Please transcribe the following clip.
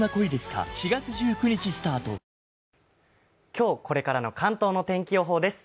今日、これからの関東の天気予報です。